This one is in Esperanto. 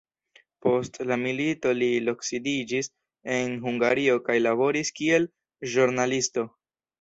Post la milito li loksidiĝis en Hungario kaj laboris kiel ĵurnalisto.